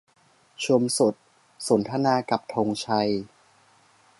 ชมสด สนทนากับธงชัย